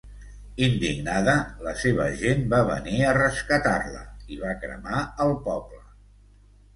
Indignada, la seva gent va venir a rescatar-la i va cremar el poble.